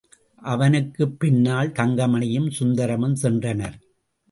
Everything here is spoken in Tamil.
அவனுக்குப் பின்னால் தங்கமணியும், சுந்தரமும் சென்றனர்.